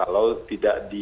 ada rumusan yang juga beresiko